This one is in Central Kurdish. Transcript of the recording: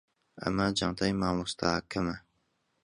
ئەمە جانتای مامۆستاکەمە.